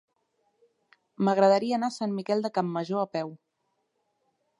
M'agradaria anar a Sant Miquel de Campmajor a peu.